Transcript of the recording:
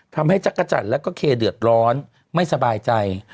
ทำให้จักรจันทร์แล้วก็เคเดือดร้อนไม่สบายใจ